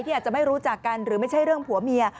อาจจะไม่รู้จักกันหรือไม่ใช่เรื่องผัวเมีย